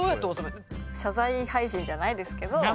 謝罪配信じゃないですけど。